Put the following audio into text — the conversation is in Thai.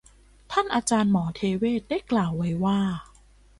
ท่านอาจารย์หมอเทเวศได้กล่าวไว้ว่า